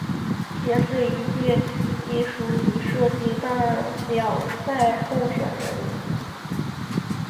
也是第一届艺术与设计大奖赛候选人。